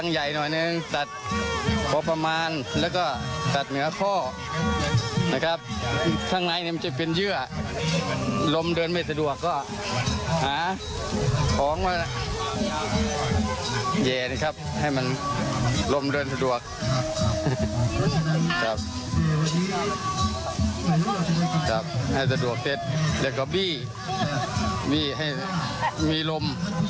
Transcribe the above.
ให้สะดวกเป็ดแล้วก็บี่มีลม